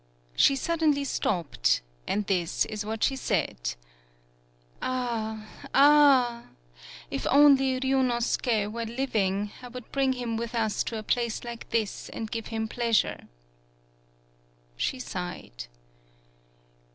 She suddenly stopped and this is what she said: "Ah! Ah! If only Ryunosuke were living I would bring him with us to a place like this and give him pleasure." She sighed.